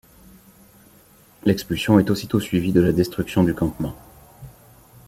L'expulsion est aussitôt suivie de la destruction du campement.